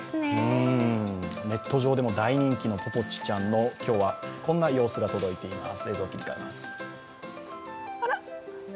ネット上でも大人気のぽぽちちゃんの、今日はこんな様子が届いています。